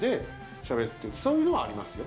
しゃべってそういうのはありますよ。